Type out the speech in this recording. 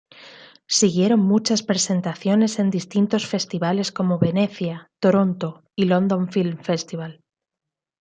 Siguieron muchas presentaciones en distintos festivales como Venecia, Toronto y London Film Festival.